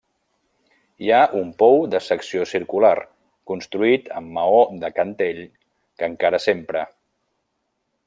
Hi ha un pou de secció circular, construït amb maó de cantell que encara s'empra.